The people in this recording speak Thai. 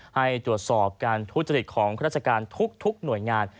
ให้ดวชอบการทูลจริตของคศรัทธิการทุกหน่วยงาน